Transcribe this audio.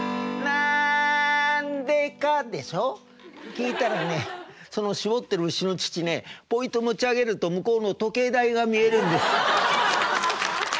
聞いたらねその搾ってる牛の乳ねポイと持ち上げると向こうの時計台が見えるんです。